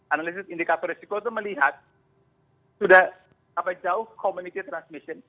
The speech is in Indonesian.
analisis indikator risiko itu melihat sudah sampai jauh community transmission